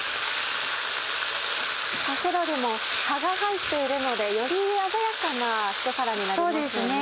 セロリも葉が入っているのでより鮮やかなひと皿になりますね。